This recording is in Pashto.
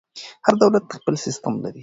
هر دولت خپل سیسټم لري.